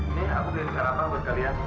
ini aku ganti sarapan buat kalian